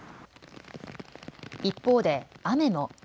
一方で雨も。